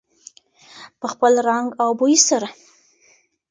په خپل رنګ او بوی سره.